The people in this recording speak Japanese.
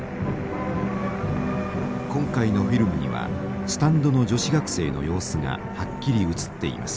今回のフィルムにはスタンドの女子学生の様子がはっきり写っています。